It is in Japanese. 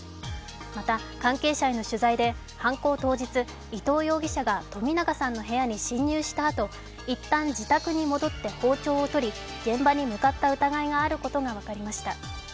また関係者への取材で犯行当日、伊藤容疑者が、冨永さんの部屋に侵入したあと、一旦自宅に戻って包丁を取り、現場に向かった疑いがあることが分かりました。